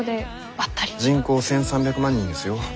人口１，３００万人ですよ。